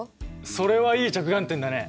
それはいい着眼点だね。